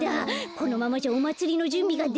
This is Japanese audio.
このままじゃおまつりのじゅんびができない。